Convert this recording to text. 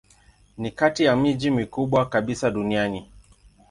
Ni kati ya miji mikubwa kabisa duniani.